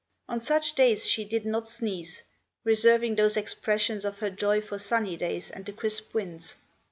On such days she did not sneeze, reserving those expressions of her joy for sunny days and the crisp winds.